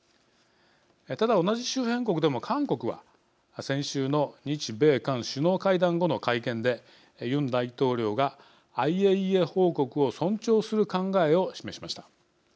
ただ、同じ周辺国でも韓国は先週の日米韓首脳会談後の会見でユン大統領がＩＡＥＡ報告を尊重する考えを示しました。